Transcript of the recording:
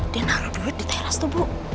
dia naruh duit di teras tuh bu